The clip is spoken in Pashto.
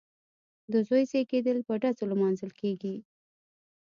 د زوی زیږیدل په ډزو لمانځل کیږي.